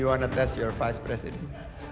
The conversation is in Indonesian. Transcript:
anda ingin menilai vise presiden